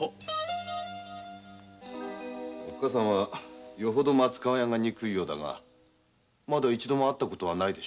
おっかさんはよほど松川屋が憎いようだがまだ一度も会った事はないでしょう。